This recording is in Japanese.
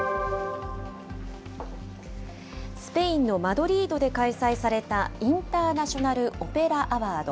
スペインのマドリードで開催された、インターナショナル・オペラ・アワード。